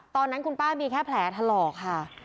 ตอนนั้นคุณป้ามีแค่แผลถลอกค่ะ